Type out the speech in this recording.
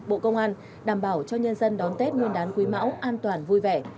bộ công an đảm bảo cho nhân dân đón tết nguyên đán quý mão an toàn vui vẻ